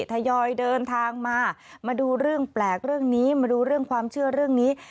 ทยอยเดินทางมามาดูเรื่องแปลกเรื่องนี้มาดูเรื่องความเชื่อเรื่องนี้